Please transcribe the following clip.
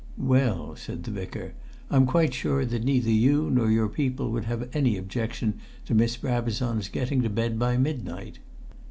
"Well," said the Vicar, "I'm quite sure that neither you nor your people would have any objection to Miss Brabazon's getting to bed by midnight."